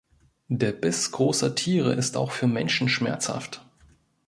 Der Biss großer Tiere ist auch für Menschen schmerzhaft.